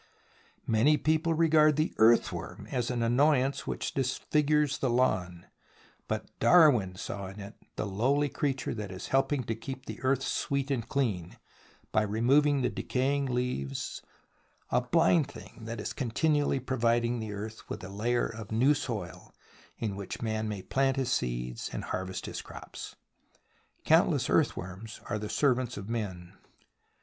Many people regard the earthworm as an annoyance which dis figures the lawn, but Darwin saw in it the lowly creature that is helping to keep the earth sweet and clean by removing the decaying leaves, a blind thing that is continually providing the earth with a layer of new soil in which man may plant his seeds and harvest his crops. Countless earth worms are the servants of men.